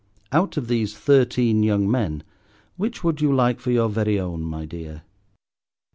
—out of these thirteen young men, which would you like for your very own, my dear?"